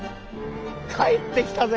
帰ってきたぜ！